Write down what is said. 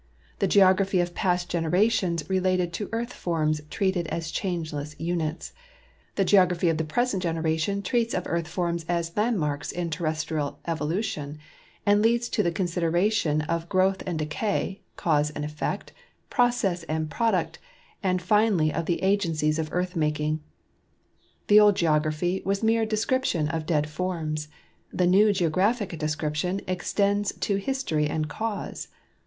The geography of past generations related to earth forms treated as changeless units; the geography of the present generation treats of earth forms as landmarks in teri'estrial evolution, and leads to the con sideration of growth and decay, cause and effect, process and product, and finally of the agencies of earth making; the old geography was mere description of dead forms, the new geographic description extends to his tory and cause.